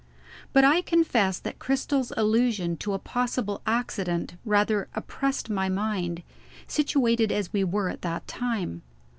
But I confess that Cristel's allusion to a possible accident rather oppressed my mind, situated as we were at that time.